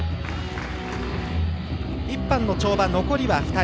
１班の跳馬、残りは２人。